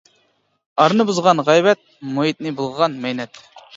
ئارىنى بۇزغان غەيۋەت، مۇھىتنى بۇلغىغان مەينەت.